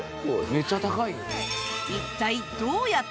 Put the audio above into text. めっちゃ高いやん。